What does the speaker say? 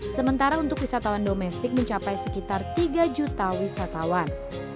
sementara untuk wisatawan domestik mencapai sekitar tiga juta wisatawan